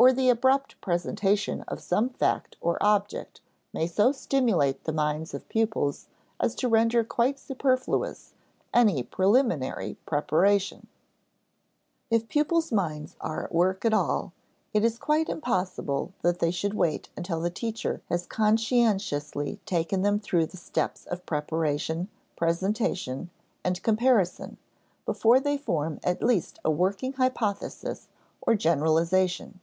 Or the abrupt presentation of some fact or object may so stimulate the minds of pupils as to render quite superfluous any preliminary preparation. If pupils' minds are at work at all, it is quite impossible that they should wait until the teacher has conscientiously taken them through the steps of preparation, presentation, and comparison before they form at least a working hypothesis or generalization.